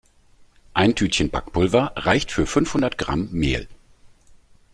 Ein Tütchen Backpulver reicht für fünfhundert Gramm Mehl.